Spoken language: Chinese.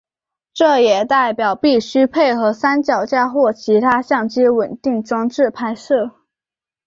这也代表必须配合三脚架或其他相机稳定装置拍摄。